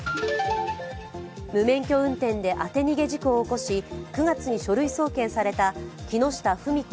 無免許運転で当て逃げ事故を起こし、９月に書類送検された木下富美子